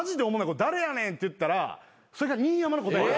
これ誰やねんって言ったらそれが新山の答え。